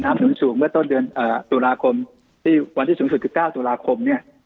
หนุนสูงเมื่อต้นเดือนตุลาคมที่วันที่สูงสุดคือ๙ตุลาคมเนี่ย